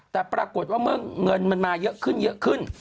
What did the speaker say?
แต่ปรากฏว่าเมื่อเงินมันมาเยอะขึ้นเยอะขึ้น